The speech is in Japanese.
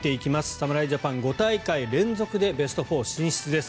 侍ジャパン５大会連続でベスト４進出です。